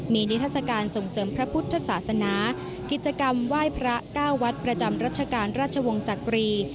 มีนิทัศกาลส่งเสริมพระพุทธศาสนากิจกรรมไหว้พระเก้าวัดประจำรัชกาลราชวงศ์จักรี